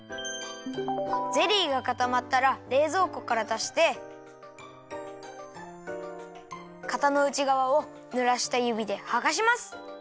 ゼリーがかたまったられいぞうこからだしてかたのうちがわをぬらしたゆびではがします。